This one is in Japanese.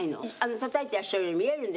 たたいてらっしゃるように見えるんです。